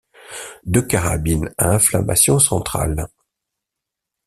deux carabines à inflammation centrale.